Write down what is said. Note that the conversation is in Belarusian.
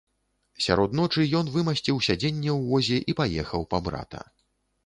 Сярод ночы ён вымасціў сядзенне ў возе і паехаў па брата.